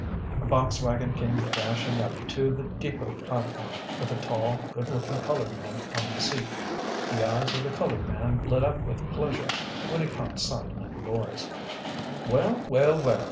A box wagon came dashing up to the depot platform, with a tall, good looking colored man on the seat. The eyes of the colored man lit up with pleasure when he caught sight of the boys. "Well! well! well!"